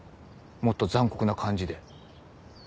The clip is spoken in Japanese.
もっと残酷な感じで。